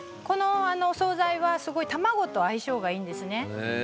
このお総菜は卵と相性がいいんですね。